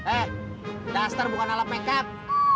eh duster bukan alat makeup